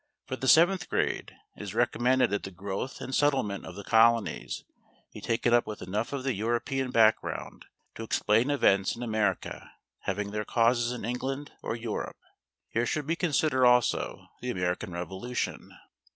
For the seventh grade, it is recommended that the growth and settlement of the colonies be taken up with enough of the European background to explain events in America having their causes in England or Europe. Here should be considered also the American Revolution.